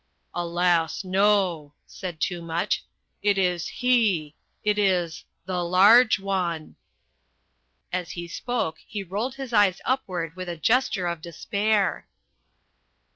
"Alas, no!" said Toomuch. "It is HE. It is THE LARGE ONE!" As he spoke he rolled his eyes upward with a gesture of despair.